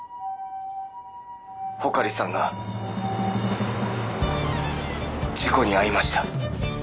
穂刈さんが事故に遭いました。